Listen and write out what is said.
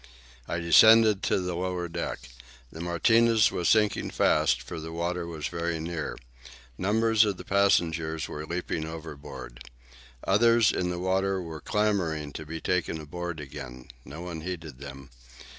I descended to the lower deck. The Martinez was sinking fast, for the water was very near. Numbers of the passengers were leaping overboard. Others, in the water, were clamouring to be taken aboard again. No one heeded them.